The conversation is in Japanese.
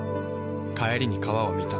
帰りに川を見た。